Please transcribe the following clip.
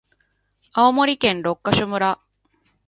青森県六ヶ所村